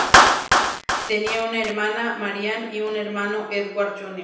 Tenía una hermana, Marian, y un hermano, Edward Jr.